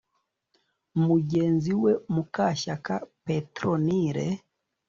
Mugenzi we Mukashyaka Pétronile